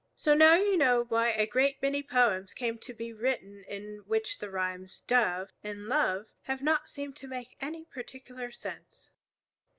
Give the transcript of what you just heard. So now you know why a great many poems came to be written in which the rhymes dove and love have not seemed to make any particular sense.